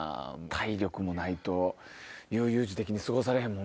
体力もないと悠々自適に過ごされへんもんね。